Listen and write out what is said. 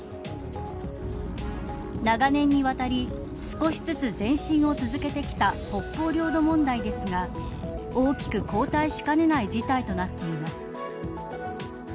長年にわたり少しずつ前進を続けてきた北方領土問題ですが大きく後退しかねない事態となっています。